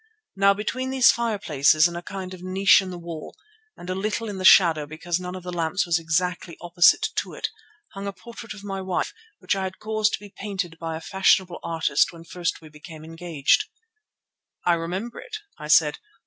Now between these fireplaces, in a kind of niche in the wall, and a little in the shadow because none of the lamps was exactly opposite to it, hung a portrait of my wife which I had caused to be painted by a fashionable artist when first we became engaged." "I remember it," I said.